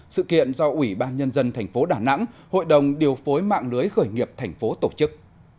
sự kiện do ủy ban nhân dân thành phố đà nẵng hội đồng điều phối mạng lưới khởi nghiệp thành phố tổ chức